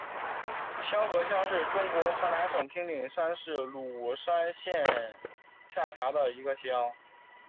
瀼河乡是中国河南省平顶山市鲁山县下辖的一个乡。